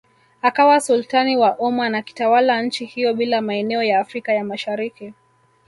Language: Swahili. Akawa Sultani wa Oman akitawala nchi hiyo bila maeneo ya Afrika ya Mashariki